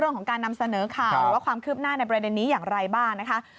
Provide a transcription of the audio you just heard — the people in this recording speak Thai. เรื่องของการนำเสนอข่าวหรือว่าความคืบหน้าในประเด็นนี้อย่างไรบ้างนะคะ